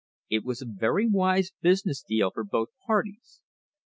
* It was a very wise business deal for both parties.